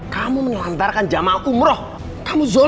kamu mengantarkan jamaah umroh kamu